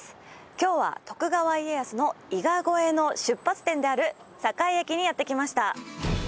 今日は徳川家康の伊賀越えの出発点である堺駅にやって来ました。